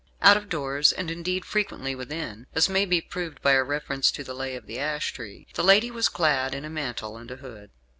Out of doors, and, indeed, frequently within, as may be proved by a reference to "The Lay of the Ash Tree," the lady was clad in a mantle and a hood.